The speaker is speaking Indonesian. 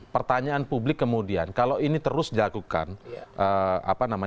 pertanyaan publik kemudian kalau ini terus dilakukan